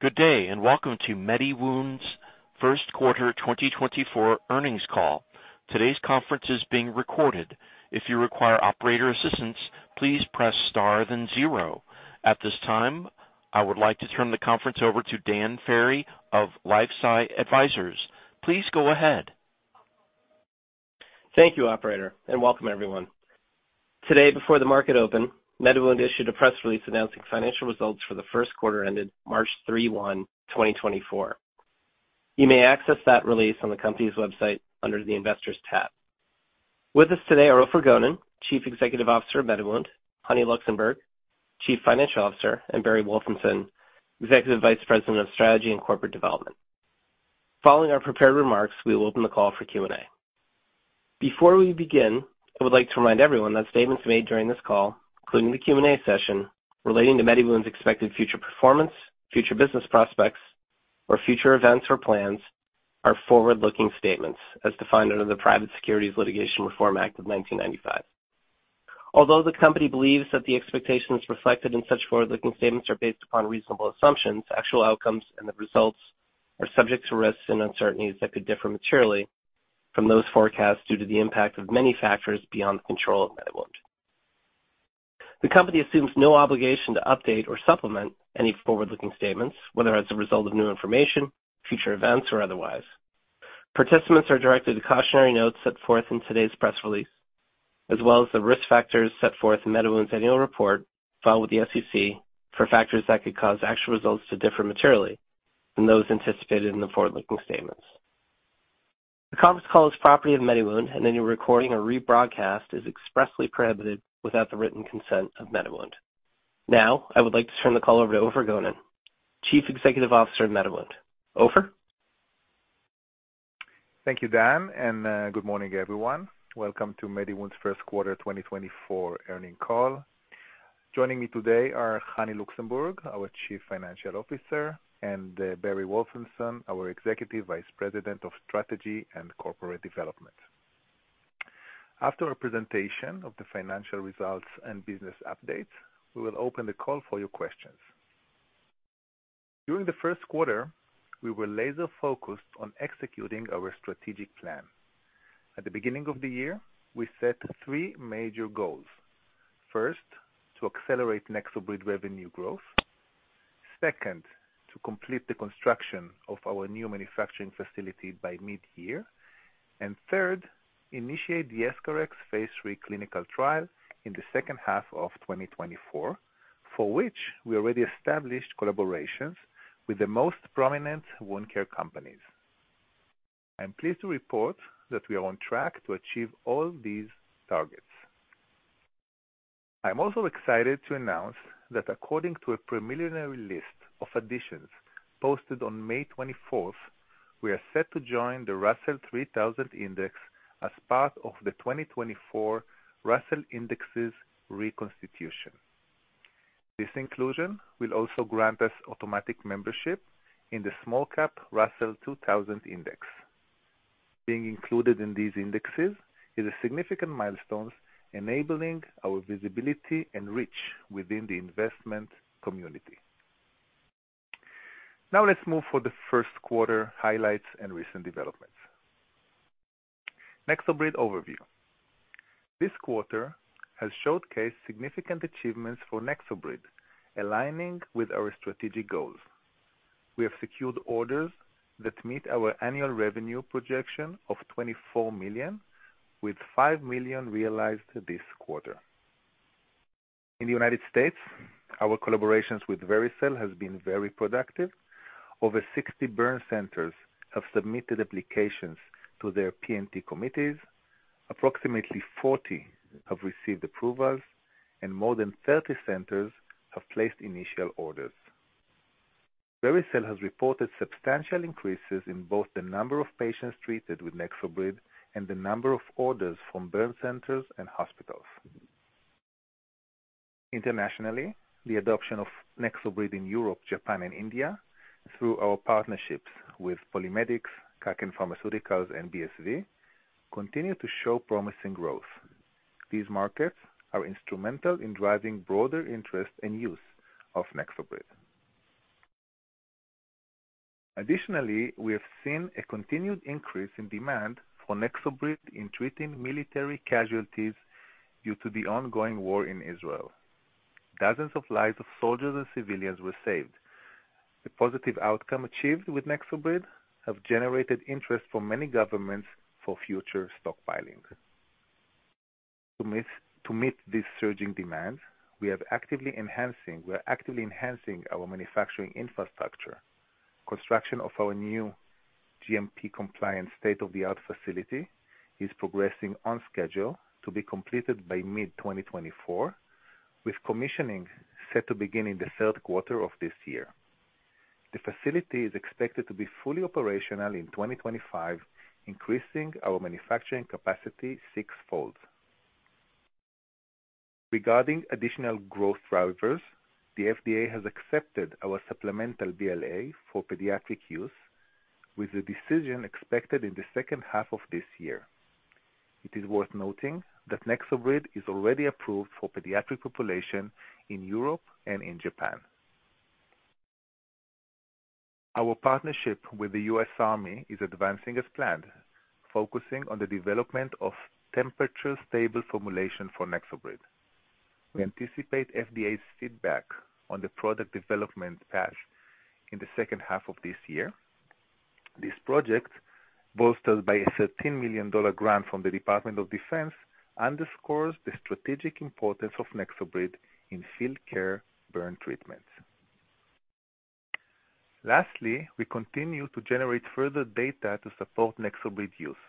Good day, and welcome to MediWound's First Quarter 2024 earnings call. Today's conference is being recorded. If you require operator assistance, please press Star then zero. At this time, I would like to turn the conference over to Dan Ferry of LifeSci Advisors. Please go ahead. Thank you, operator, and welcome everyone. Today, before the market open, MediWound issued a press release announcing financial results for the first quarter ended March 31, 2024. You may access that release on the company's website under the Investors tab. With us today, Ofer Gonen, Chief Executive Officer of MediWound, Hani Luxenburg, Chief Financial Officer, and Barry Wolfenson, Executive Vice President of Strategy and Corporate Development. Following our prepared remarks, we will open the call for Q&A. Before we begin, I would like to remind everyone that statements made during this call, including the Q&A session, relating to MediWound's expected future performance, future business prospects, or future events or plans, are forward-looking statements as defined under the Private Securities Litigation Reform Act of 1995. Although the company believes that the expectations reflected in such forward-looking statements are based upon reasonable assumptions, actual outcomes and the results are subject to risks and uncertainties that could differ materially from those forecasts due to the impact of many factors beyond the control of MediWound. The company assumes no obligation to update or supplement any forward-looking statements, whether as a result of new information, future events, or otherwise. Participants are directed to cautionary notes set forth in today's press release, as well as the risk factors set forth in MediWound's annual report filed with the SEC for factors that could cause actual results to differ materially from those anticipated in the forward-looking statements. The conference call is property of MediWound, and any recording or rebroadcast is expressly prohibited without the written consent of MediWound. Now, I would like to turn the call over to Ofer Gonen, Chief Executive Officer of MediWound. Ofer? Thank you, Dan, and good morning, everyone. Welcome to MediWound's First Quarter 2024 earnings call. Joining me today are Hani Luxenburg, our Chief Financial Officer, and Barry Wolfenson, our Executive Vice President of Strategy and Corporate Development. After a presentation of the financial results and business updates, we will open the call for your questions. During the first quarter, we were laser-focused on executing our strategic plan. At the beginning of the year, we set three major goals. First, to accelerate NexoBrid revenue growth. Second, to complete the construction of our new manufacturing facility by mid-year. And third, initiate the EscharEx phase III clinical trial in the second half of 2024, for which we already established collaborations with the most prominent wound care companies. I'm pleased to report that we are on track to achieve all these targets. I'm also excited to announce that according to a preliminary list of additions posted on May 24, we are set to join the Russell 3000 Index as part of the 2024 Russell Indexes reconstitution. This inclusion will also grant us automatic membership in the small-cap Russell 2000 Index. Being included in these indexes is a significant milestone, enabling our visibility and reach within the investment community. Now, let's move for the first quarter highlights and recent developments. NexoBrid overview. This quarter has showcased significant achievements for NexoBrid, aligning with our strategic goals. We have secured orders that meet our annual revenue projection of $24 million, with $5 million realized this quarter. In the United States, our collaborations with Vericel has been very productive. Over 60 burn centers have submitted applications to their P&T committees. Approximately 40 have received approvals, and more than 30 centers have placed initial orders. Vericel has reported substantial increases in both the number of patients treated with NexoBrid and the number of orders from burn centers and hospitals. Internationally, the adoption of NexoBrid in Europe, Japan, and India, through our partnerships with PolyMedics, Kaken Pharmaceuticals, and BSV, continue to show promising growth. These markets are instrumental in driving broader interest and use of NexoBrid. Additionally, we have seen a continued increase in demand for NexoBrid in treating military casualties due to the ongoing war in Israel. Dozens of lives of soldiers and civilians were saved. The positive outcome achieved with NexoBrid have generated interest from many governments for future stockpiling. To meet this surging demand, we are actively enhancing our manufacturing infrastructure. Construction of our new GMP compliant state-of-the-art facility is progressing on schedule to be completed by mid-2024, with commissioning set to begin in the third quarter of this year. The facility is expected to be fully operational in 2025, increasing our manufacturing capacity sixfold. Regarding additional growth drivers, the FDA has accepted our supplemental BLA for pediatric use, with the decision expected in the second half of this year. It is worth noting that NexoBrid is already approved for pediatric population in Europe and in Japan. Our partnership with the U.S. Army is advancing as planned, focusing on the development of temperature-stable formulation for NexoBrid. We anticipate FDA's feedback on the product development path in the second half of this year. This project, bolstered by a $13 million grant from the Department of Defense, underscores the strategic importance of NexoBrid in field care burn treatments. Lastly, we continue to generate further data to support NexoBrid use.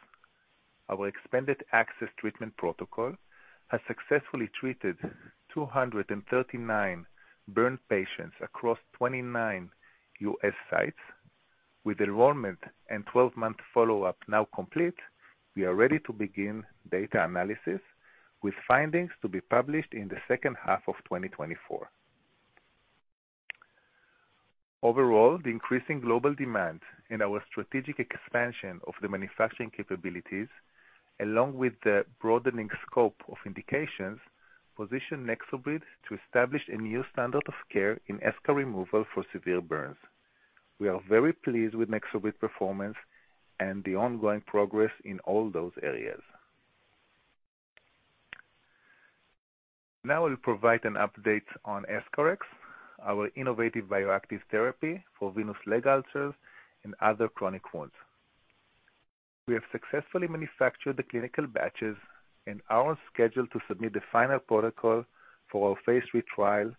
Our expanded access treatment protocol has successfully treated 239 burn patients across 29 U.S. sites. With enrollment and 12-month follow-up now complete, we are ready to begin data analysis, with findings to be published in the second half of 2024. Overall, the increasing global demand and our strategic expansion of the manufacturing capabilities, along with the broadening scope of indications, position NexoBrid to establish a new standard of care in eschar removal for severe burns. We are very pleased with NexoBrid's performance and the ongoing progress in all those areas. Now I'll provide an update on EscharEx, our innovative bioactive therapy for venous leg ulcers and other chronic wounds. We have successfully manufactured the clinical batches and are on schedule to submit the final protocol for our phase III trial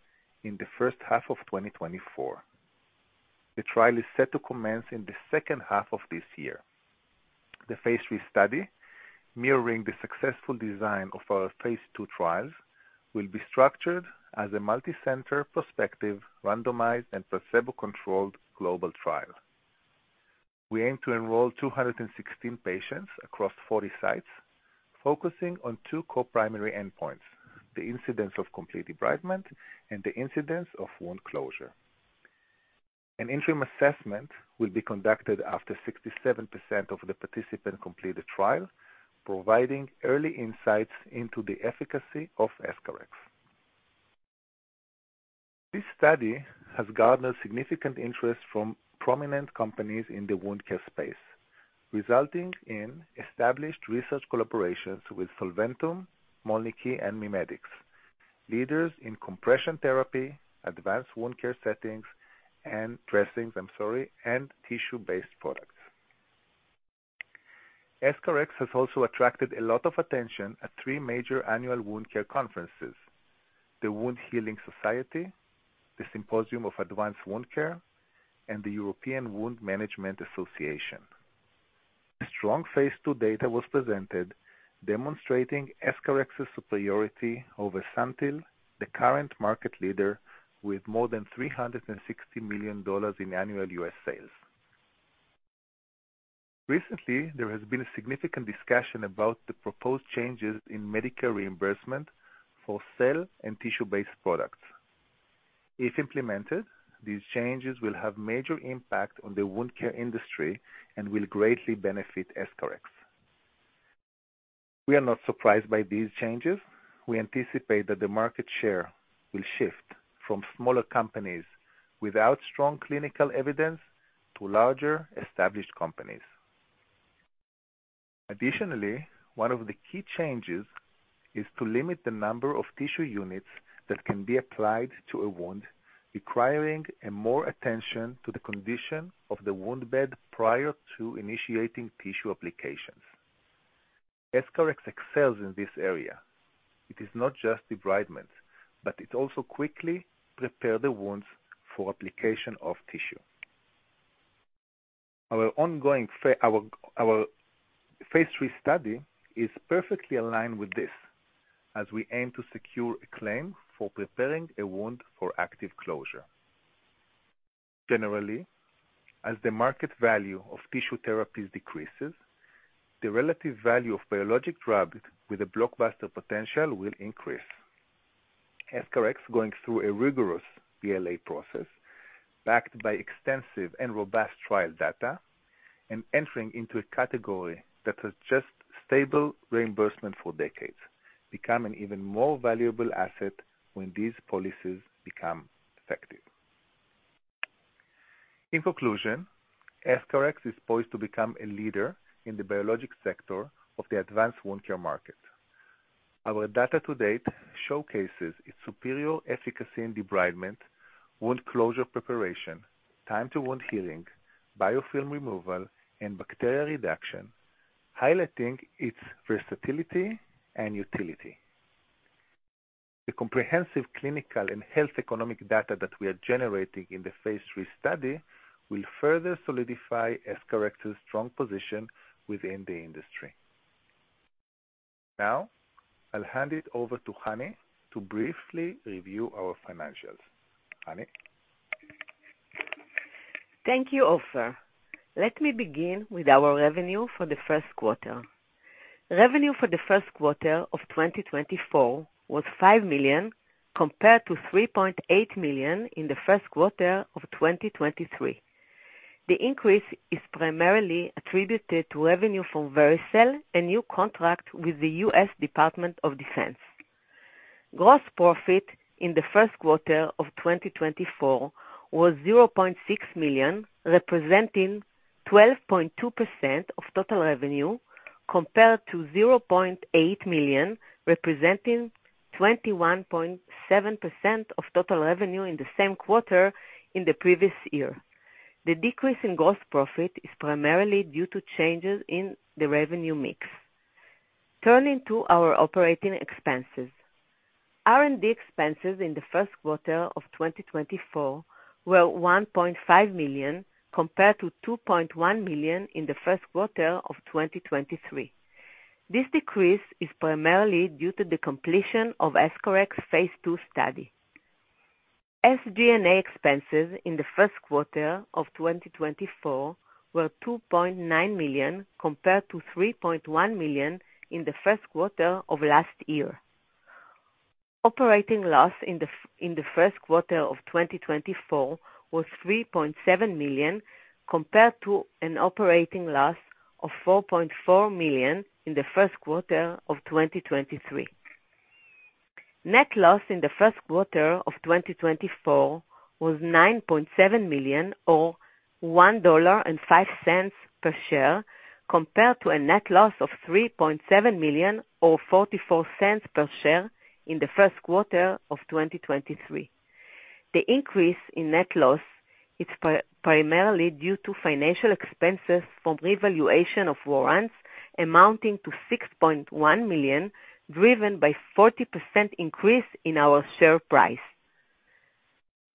in the first half of 2024. The trial is set to commence in the second half of this year. The phase III study, mirroring the successful design of our phase II trials, will be structured as a multicenter, prospective, randomized, and placebo-controlled global trial. We aim to enroll 216 patients across 40 sites, focusing on two co-primary endpoints: the incidence of complete debridement and the incidence of wound closure. An interim assessment will be conducted after 67% of the participants complete the trial, providing early insights into the efficacy of EscharEx. This study has garnered significant interest from prominent companies in the wound care space, resulting in established research collaborations with Solventum, Mölnlycke, and MIMEDX, leaders in compression therapy, advanced wound care settings, and dressings, I'm sorry, and tissue-based products. EscharEx has also attracted a lot of attention at three major annual wound care conferences: the Wound Healing Society, the Symposium on Advanced Wound Care, and the European Wound Management Association. Strong phase II data was presented demonstrating EscharEx's superiority over SANTYL, the current market leader, with more than $360 million in annual US sales. Recently, there has been a significant discussion about the proposed changes in Medicare reimbursement for cell and tissue-based products. If implemented, these changes will have major impact on the wound care industry and will greatly benefit EscharEx. We are not surprised by these changes. We anticipate that the market share will shift from smaller companies without strong clinical evidence to larger, established companies. Additionally, one of the key changes is to limit the number of tissue units that can be applied to a wound, requiring more attention to the condition of the wound bed prior to initiating tissue applications. EscharEx excels in this area. It is not just debridement, but it also quickly prepare the wounds for application of tissue. Our ongoing phase III study is perfectly aligned with this, as we aim to secure a claim for preparing a wound for active closure. Generally, as the market value of tissue therapies decreases, the relative value of biologic drugs with a blockbuster potential will increase. EscharEx, going through a rigorous BLA process, backed by extensive and robust trial data and entering into a category that has just stable reimbursement for decades, become an even more valuable asset when these policies become effective. In conclusion, EscharEx is poised to become a leader in the biologic sector of the advanced wound care market. Our data to date showcases its superior efficacy in debridement, wound closure preparation, time to wound healing, biofilm removal, and bacterial reduction, highlighting its versatility and utility. The comprehensive clinical and health economic data that we are generating in the phase III study will further solidify EscharEx's strong position within the industry. Now, I'll hand it over to Hani to briefly review our financials. Hani? Thank you, Ofer. Let me begin with our revenue for the first quarter. Revenue for the first quarter of 2024 was $5 million, compared to $3.8 million in the first quarter of 2023....The increase is primarily attributed to revenue from Vericel, a new contract with the U.S. Department of Defense. Gross profit in the first quarter of 2024 was $0.6 million, representing 12.2% of total revenue, compared to $0.8 million, representing 21.7% of total revenue in the same quarter in the previous year. The decrease in gross profit is primarily due to changes in the revenue mix. Turning to our operating expenses. R&D expenses in the first quarter of 2024 were $1.5 million, compared to $2.1 million in the first quarter of 2023. This decrease is primarily due to the completion of EscharEx phase II study. SG&A expenses in the first quarter of 2024 were $2.9 million, compared to $3.1 million in the first quarter of last year. Operating loss in the first quarter of 2024 was $3.7 million, compared to an operating loss of $4.4 million in the first quarter of 2023. Net loss in the first quarter of 2024 was $9.7 million, or $1.05 per share, compared to a net loss of $3.7 million, or $0.44 per share in the first quarter of 2023. The increase in net loss is primarily due to financial expenses from revaluation of warrants, amounting to $6.1 million, driven by 40% increase in our share price.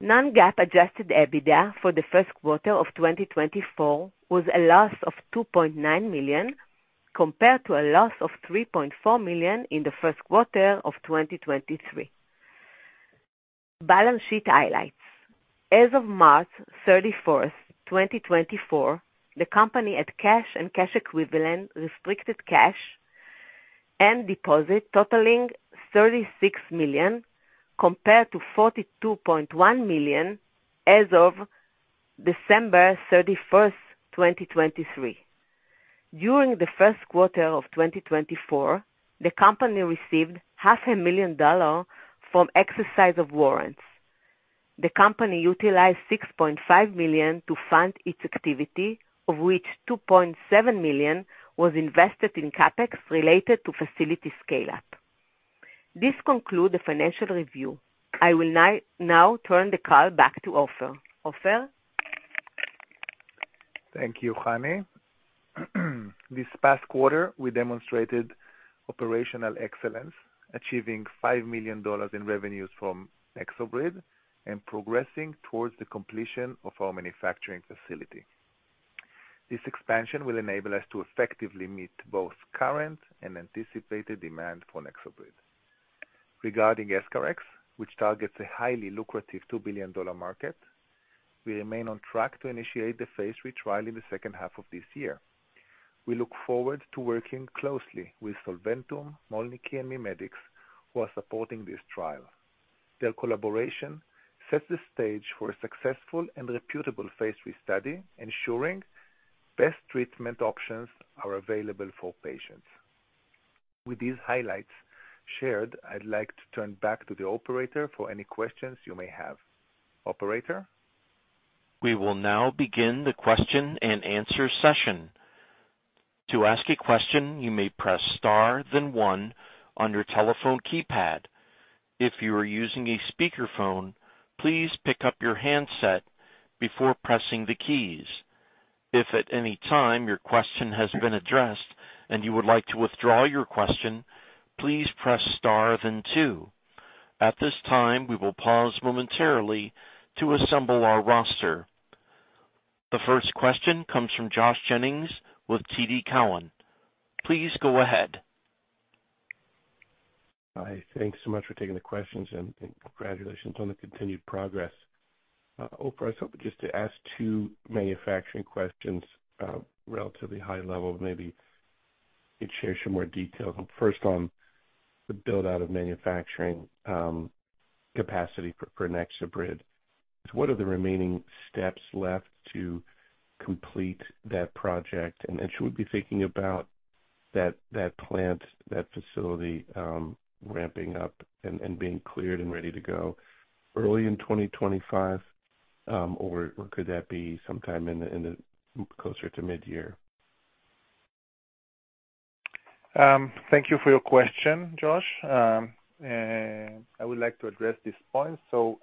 Non-GAAP adjusted EBITDA for the first quarter of 2024 was a loss of $2.9 million, compared to a loss of $3.4 million in the first quarter of 2023. Balance sheet highlights. As of March 31, 2024, the company had cash and cash equivalent, restricted cash and deposit totaling $36 million, compared to $42.1 million as of December 31, 2023. During the first quarter of 2024, the company received $500,000 from exercise of warrants. The company utilized $6.5 million to fund its activity, of which $2.7 million was invested in CapEx related to facility scale-up. This conclude the financial review. I will now turn the call back to Ofer. Ofer? Thank you, Hani. This past quarter, we demonstrated operational excellence, achieving $5 million in revenues from NexoBrid and progressing towards the completion of our manufacturing facility. This expansion will enable us to effectively meet both current and anticipated demand for NexoBrid. Regarding EscharEx, which targets a highly lucrative $2 billion market, we remain on track to initiate the phase III trial in the second half of this year. We look forward to working closely with Solventum, Mölnlycke, and MIMEDX, who are supporting this trial. Their collaboration sets the stage for a successful and reputable phase III study, ensuring best treatment options are available for patients. With these highlights shared, I'd like to turn back to the operator for any questions you may have. Operator? We will now begin the question and answer session. To ask a question, you may press star then one on your telephone keypad. If you are using a speakerphone, please pick up your handset before pressing the keys. If at any time your question has been addressed and you would like to withdraw your question, please press star then two. At this time, we will pause momentarily to assemble our roster. The first question comes from Josh Jennings with TD Cowen. Please go ahead. Hi, thanks so much for taking the questions, and congratulations on the continued progress. Ofer, I was hoping just to ask two manufacturing questions, relatively high level, maybe you'd share some more detail. First, on the build-out of manufacturing capacity for NexoBrid. So what are the remaining steps left to complete that project? And should we be thinking about that plant, that facility, ramping up and being cleared and ready to go early in 2025, or could that be sometime closer to midyear? Thank you for your question, Josh. I would like to address this point. So,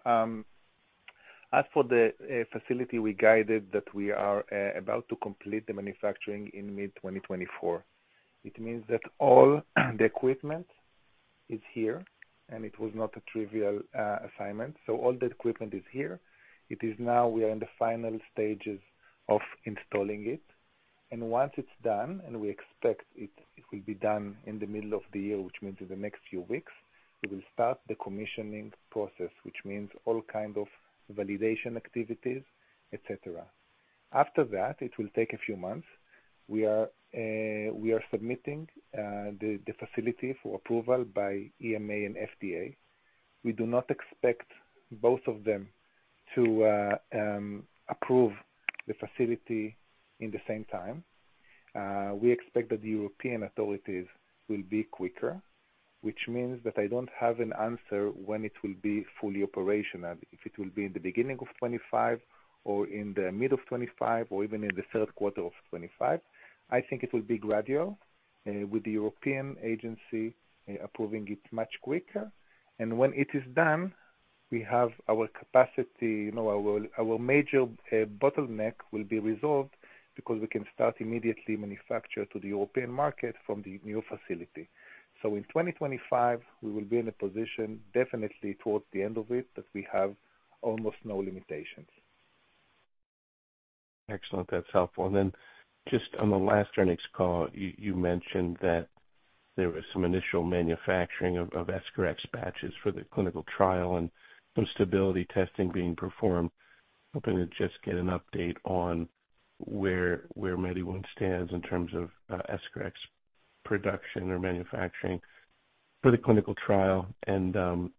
as for the facility, we guided that we are about to complete the manufacturing in mid-2024. It means that all the equipment is here, and it was not a trivial assignment. So all the equipment is here. It is now we are in the final stages of installing it, and once it's done, and we expect it, it will be done in the middle of the year, which means in the next few weeks, we will start the commissioning process, which means all kind of validation activities, et cetera. After that, it will take a few months. We are submitting the facility for approval by EMA and FDA. We do not expect both of them to approve the facility in the same time. We expect that the European authorities will be quicker, which means that I don't have an answer when it will be fully operational. If it will be in the beginning of 25 or in the middle of 25 or even in the third quarter of 25, I think it will be gradual, with the European agency approving it much quicker. And when it is done, we have our capacity, you know, our, our major bottleneck will be resolved because we can start immediately manufacture to the European market from the new facility. So in 2025, we will be in a position, definitely towards the end of it, that we have almost no limitations. Excellent. That's helpful. And then just on the last earnings call, you mentioned that there was some initial manufacturing of EscharEx batches for the clinical trial and some stability testing being performed. Hoping to just get an update on where MediWound stands in terms of EscharEx production or manufacturing for the clinical trial. And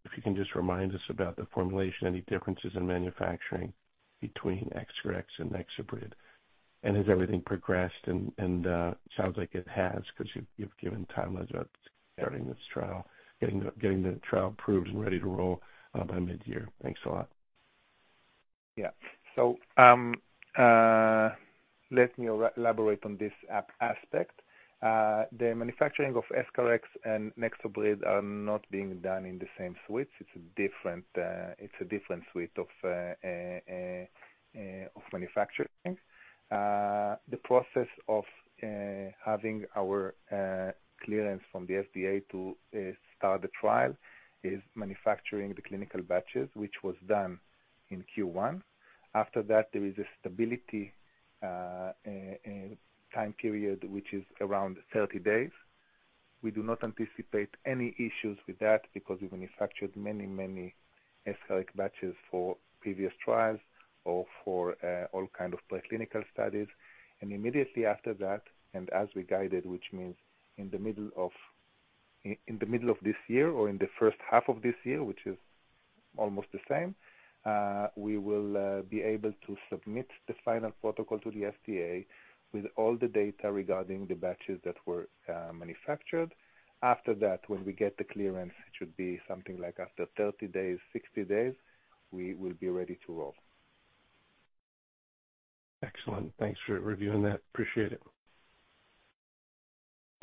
if you can just remind us about the formulation, any differences in manufacturing between EscharEx and NexoBrid? And has everything progressed, and sounds like it has, 'cause you've given timelines about starting this trial, getting the trial approved and ready to roll by mid-year. Thanks a lot. Yeah. So, let me elaborate on this aspect. The manufacturing of EscharEx and NexoBrid are not being done in the same suites. It's a different suite of manufacturing. The process of having our clearance from the FDA to start the trial is manufacturing the clinical batches, which was done in Q1. After that, there is a stability time period, which is around 30 days. We do not anticipate any issues with that because we've manufactured many, many EscharEx batches for previous trials or for all kind of preclinical studies. Immediately after that, as we guided, which means in the middle of this year or in the first half of this year, which is almost the same, we will be able to submit the final protocol to the FDA with all the data regarding the batches that were manufactured. After that, when we get the clearance, it should be something like after 30 days, 60 days, we will be ready to roll. Excellent. Thanks for reviewing that. Appreciate it.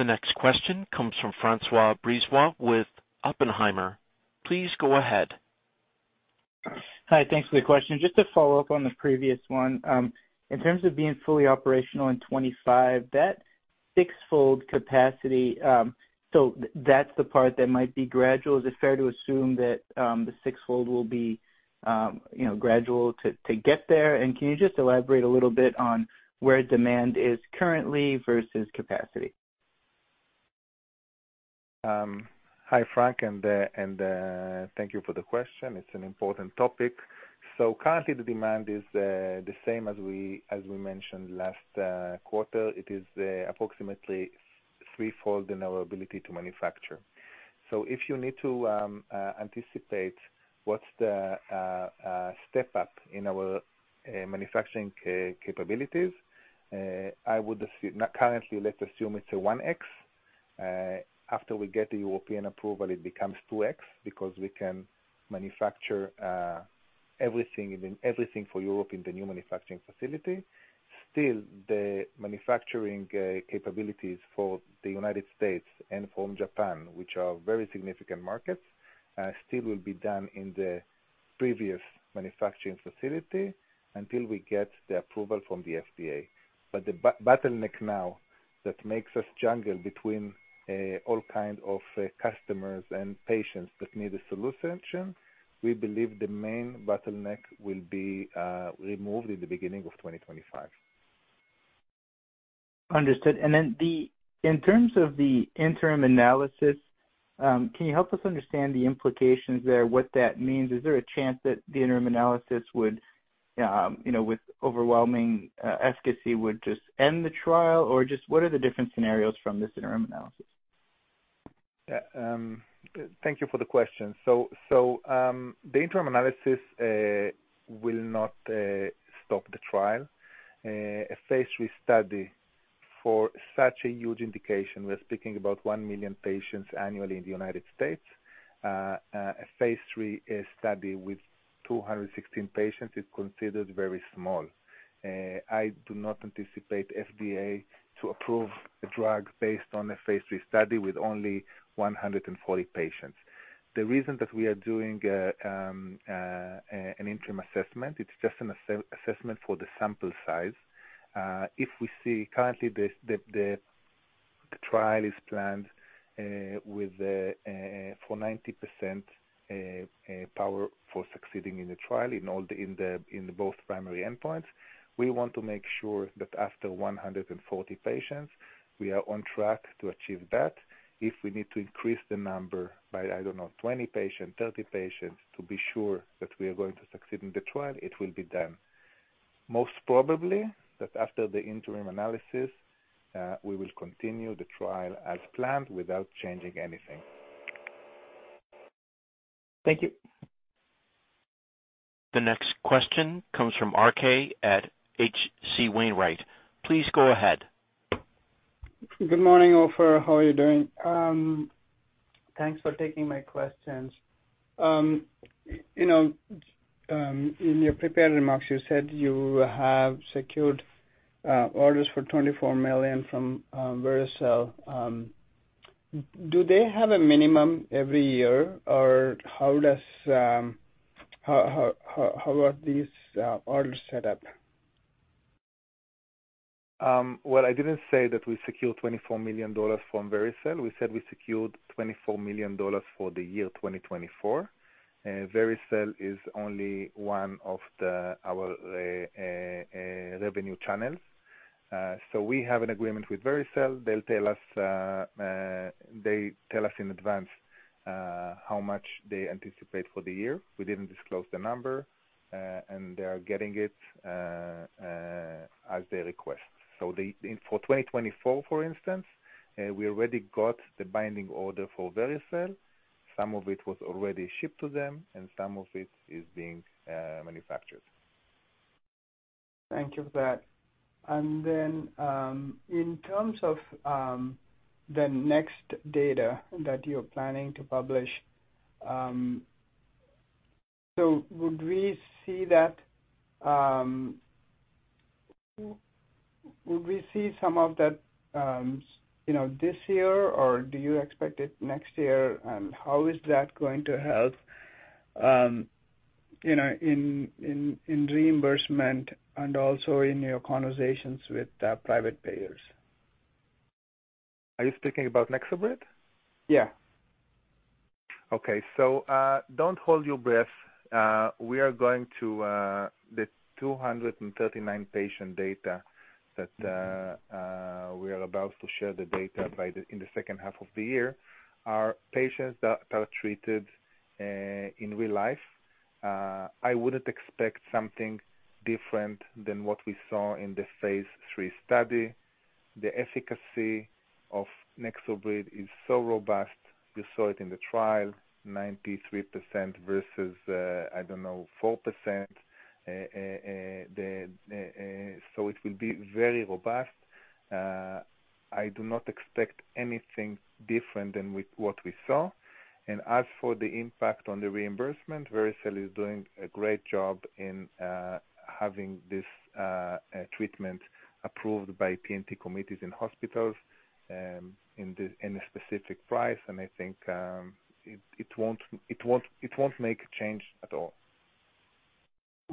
The next question comes from François Brisebois with Oppenheimer. Please go ahead. Hi, thanks for the question. Just to follow up on the previous one, in terms of being fully operational in 25, that sixfold capacity, so that's the part that might be gradual. Is it fair to assume that, the sixfold will be, you know, gradual to, to get there? And can you just elaborate a little bit on where demand is currently versus capacity? Hi, Frank, and thank you for the question. It's an important topic. So currently, the demand is the same as we mentioned last quarter. It is approximately threefold in our ability to manufacture. So if you need to anticipate what's the step up in our manufacturing capabilities, I would assume—currently, let's assume it's a 1x. After we get the European approval, it becomes 2x, because we can manufacture everything, I mean, everything for Europe in the new manufacturing facility. Still, the manufacturing capabilities for the United States and from Japan, which are very significant markets, still will be done in the previous manufacturing facility until we get the approval from the FDA. But the bottleneck now that makes us juggle between all kind of customers and patients that need a solution, we believe the main bottleneck will be removed in the beginning of 2025. Understood. And then in terms of the interim analysis, can you help us understand the implications there, what that means? Is there a chance that the interim analysis would, you know, with overwhelming efficacy, would just end the trial? Or just what are the different scenarios from this interim analysis? Yeah, thank you for the question. So, the interim analysis will not stop the trial. A phase III study for such a huge indication, we're speaking about 1 million patients annually in the United States. A phase III study with 216 patients is considered very small. I do not anticipate FDA to approve a drug based on a phase III study with only 140 patients. The reason that we are doing an interim assessment, it's just an assessment for the sample size. If we see currently the trial is planned with for 90% power for succeeding in the trial, in both primary endpoints. We want to make sure that after 140 patients, we are on track to achieve that. If we need to increase the number by, I don't know, 20 patients, 30 patients, to be sure that we are going to succeed in the trial, it will be done. Most probably, that after the interim analysis, we will continue the trial as planned without changing anything. Thank you. The next question comes from RK at H.C. Wainwright. Please go ahead. Good morning, Ofer. How are you doing? Thanks for taking my questions. You know, in your prepared remarks, you said you have secured orders for $24 million from Vericel. Do they have a minimum every year or how are these orders set up? Well, I didn't say that we secured $24 million from Vericel. We said we secured $24 million for the year 2024. Vericel is only one of our revenue channels. So we have an agreement with Vericel. They'll tell us, they tell us in advance, how much they anticipate for the year. We didn't disclose the number, and they are getting it, as they request. So for 2024, for instance, we already got the binding order for Vericel. Some of it was already shipped to them, and some of it is being manufactured. Thank you for that. And then, in terms of the next data that you're planning to publish, so would we see that, would we see some of that, you know, this year, or do you expect it next year? And how is that going to help, you know, in reimbursement and also in your conversations with private payers? Are you speaking about NexoBrid? Yeah. Okay, so, don't hold your breath. We are going to the 239 patient data that we are about to share the data by the, in the second half of the year, are patients that are treated in real life. I wouldn't expect something different than what we saw in the phase III study. The efficacy of NexoBrid is so robust. You saw it in the trial, 93% versus, I don't know, 4%. The, so it will be very robust. I do not expect anything different than with what we saw. As for the impact on the reimbursement, Vericel is doing a great job in having this treatment approved by P&T committees in hospitals in a specific price, and I think it won't make a change at all.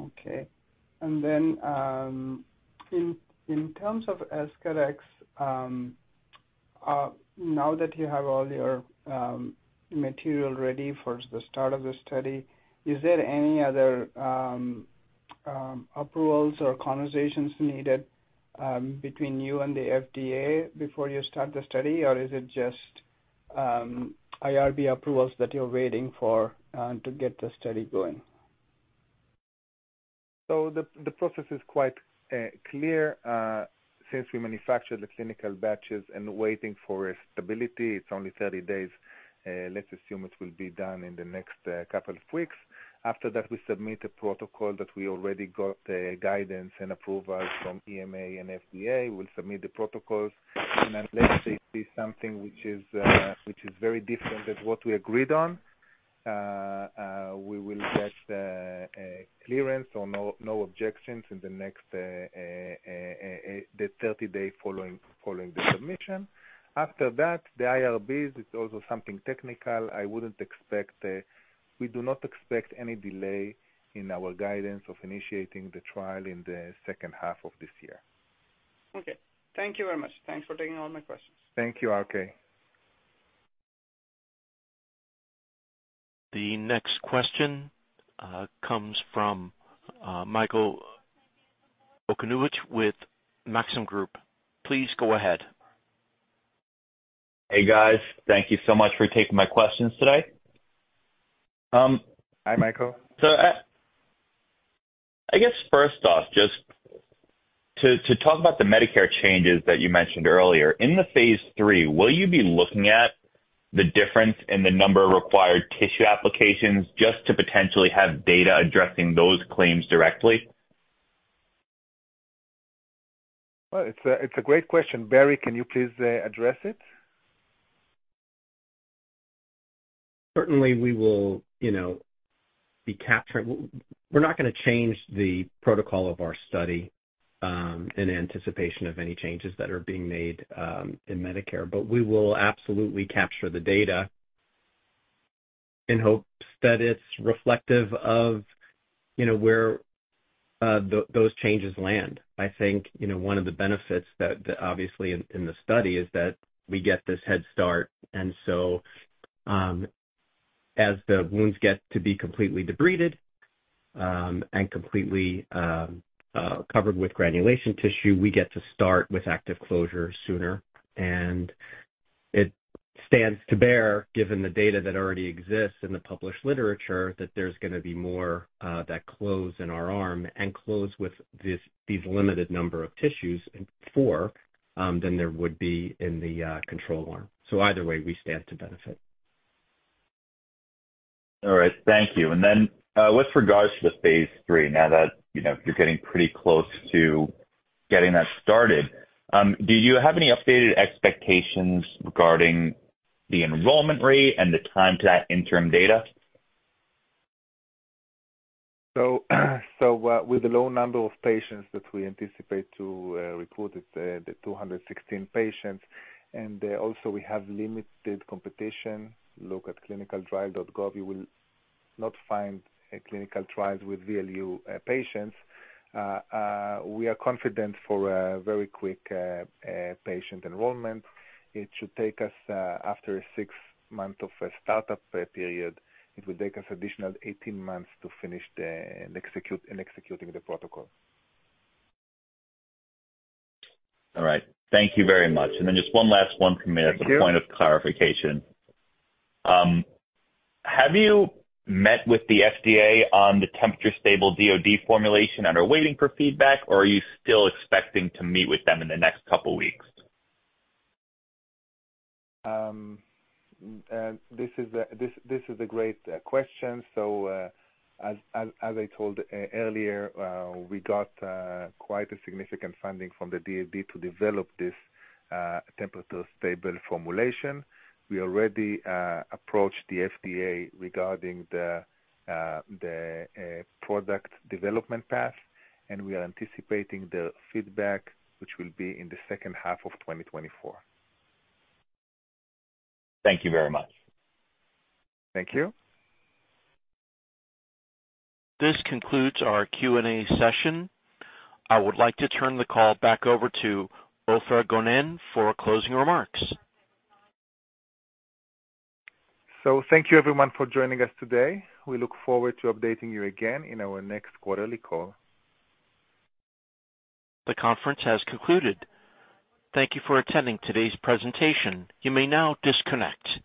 Okay. And then, in terms of EscharEx, now that you have all your material ready for the start of the study, is there any other approvals or conversations needed between you and the FDA before you start the study? Or is it just IRB approvals that you're waiting for to get the study going? So the process is quite clear. Since we manufactured the clinical batches and waiting for stability, it's only 30 days. Let's assume it will be done in the next couple of weeks. After that, we submit a protocol that we already got a guidance and approval from EMA and FDA. We'll submit the protocols, and unless they see something which is which is very different than what we agreed on, we will get a clearance or no objections in the next the 30-day following following the submission. After that, the IRBs is also something technical. I wouldn't expect the... We do not expect any delay in our guidance of initiating the trial in the second half of this year. Okay, thank you very much. Thanks for taking all my questions. Thank you, RK. The next question comes from Michael Okunewitch with Maxim Group. Please go ahead. Hey, guys. Thank you so much for taking my questions today. Hi, Michael. So, I guess first off, just to talk about the Medicare changes that you mentioned earlier. In the phase III, will you be looking at the difference in the number of required tissue applications just to potentially have data addressing those claims directly? Well, it's a great question. Barry, can you please address it? Certainly we will, you know, be capturing. We're not gonna change the protocol of our study in anticipation of any changes that are being made in Medicare. But we will absolutely capture the data in hopes that it's reflective of, you know, where those changes land. I think, you know, one of the benefits that, that obviously in, in the study is that we get this head start. And so, as the wounds get to be completely debrided and completely covered with granulation tissue, we get to start with active closure sooner, and it stands to bear, given the data that already exists in the published literature, that there's gonna be more that close in our arm and close with these limited number of tissues, and four, than there would be in the control arm. So either way, we stand to benefit. All right. Thank you. And then, with regards to the phase III, now that, you know, you're getting pretty close to getting that started, do you have any updated expectations regarding the enrollment rate and the time to that interim data? So, with the low number of patients that we anticipate to recruit, the 216 patients, and also we have limited competition. Look at clinicaltrials.gov, you will not find a clinical trial with VLU patients. We are confident for a very quick patient enrollment. It should take us after six months of a start-up period, it will take us additional 18 months to finish and execute the protocol. All right. Thank you very much. And then just one last one from me. Thank you. Just a point of clarification. Have you met with the FDA on the temperature-stable DoD formulation and are waiting for feedback, or are you still expecting to meet with them in the next couple weeks? This is a great question. So, as I told earlier, we got quite a significant funding from the DoD to develop this temperature-stable formulation. We already approached the FDA regarding the product development path, and we are anticipating the feedback, which will be in the second half of 2024. Thank you very much. Thank you. This concludes our Q&A session. I would like to turn the call back over to Ofer Gonen for closing remarks. Thank you everyone for joining us today. We look forward to updating you again in our next quarterly call. The conference has concluded. Thank you for attending today's presentation. You may now disconnect.